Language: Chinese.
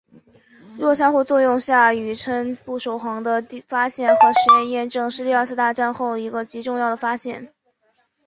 弱相互作用下宇称不守恒的发现和实验验证是第二次世界大战后一个极重要的发现。